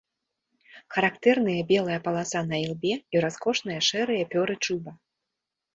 Характэрныя белая паласа на ілбе і раскошныя шэрыя пёры чуба.